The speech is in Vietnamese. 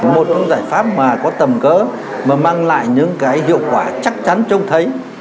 một trong giải pháp mà có tầm cỡ mà mang lại những cái hiệu quả chắc chắn trông thấy